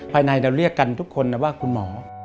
ภายในเราเรียกกันทุกคนนะว่าคุณหมอ